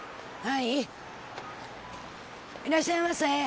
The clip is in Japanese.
いらっしゃいませ！